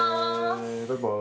バイバイ。